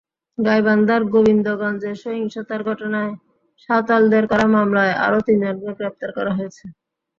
গাইবান্ধার গোবিন্দগঞ্জে সহিংতার ঘটনায় সাঁওতালদের করা মামলায় আরও তিনজনকে গ্রেপ্তার করা হয়েছে।